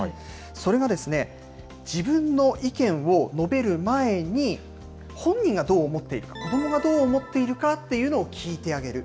それがですね、自分の意見を述べる前に、本人がどう思っているか、子どもがどう思っているかというのを聞いてあげる。